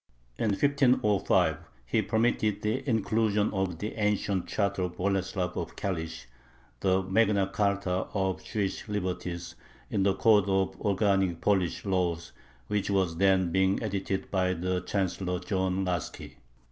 In 1505 he permitted the inclusion of the ancient charter of Boleslav of Kalish, the magna charta of Jewish liberties, in the code of organic Polish laws, which was then being edited by the chancellor John Laski.